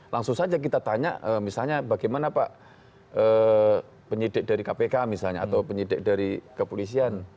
langsung saja kita tanya misalnya bagaimana pak penyidik dari kpk misalnya atau penyidik dari kepolisian